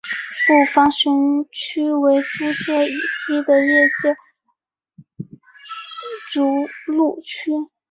捕房巡区为租界以西的越界筑路区。